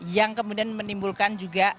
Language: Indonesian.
yang kemudian menimbulkan juga